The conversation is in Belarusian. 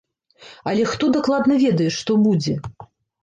Але хто дакладна ведае, што будзе?